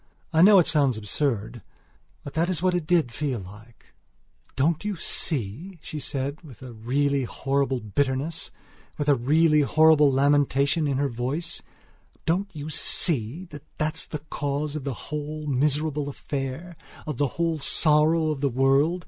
I know it sounds absurd; but that is what it did feel like. "Don't you see," she said, with a really horrible bitterness, with a really horrible lamentation in her voice, "Don't you see that that's the cause of the whole miserable affair; of the whole sorrow of the world?